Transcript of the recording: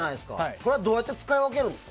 これはどうやって使い分けるんですか？